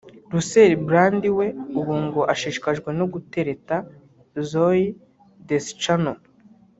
Russel Brand we ubu ngo ashishikajwe no gutereta Zooey Deschannel